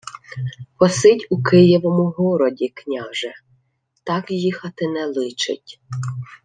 — Посидь у Києвому городі, княже, так їхати не личить.